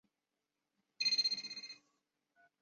超级时尚编辑战是以美国时尚为主题的真人实境秀。